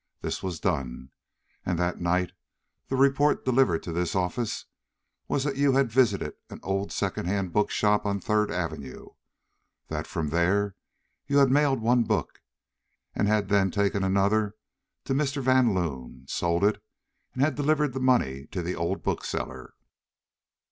This was done, and that night the report delivered to this office was that you had visited an old second hand book shop on Third Avenue; that from there you had mailed one book, and had then taken another to Mr. Van Loon, sold it, and had delivered the money to the old bookseller.